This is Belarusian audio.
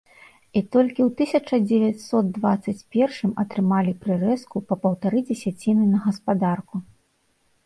І толькі ў тысяча дзевяцьсот дваццаць першым атрымалі прырэзку па паўтары дзесяціны на гаспадарку.